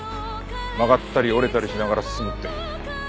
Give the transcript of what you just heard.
曲がったり折れたりしながら進むって。